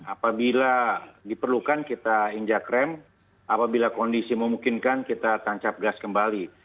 apabila diperlukan kita injak rem apabila kondisi memungkinkan kita tancap gas kembali